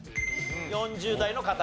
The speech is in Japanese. ４０代の方。